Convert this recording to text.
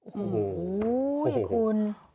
โอ้โฮสิคุณ